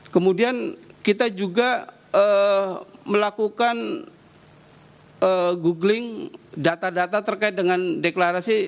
kemudian kita juga melakukan googling data data terkait dengan deklarasi